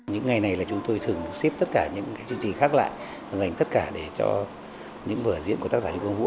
những ngày này là chúng tôi thường xếp tất cả những chương trình khác lại dành tất cả để cho những vở diễn của tác giả lưu quang vũ